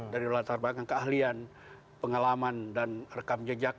dari latar belakang keahlian pengalaman dan rekam jejak